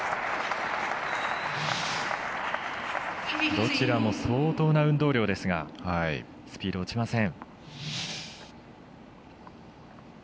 どちらも相当な運動量ですがスピード落ちません。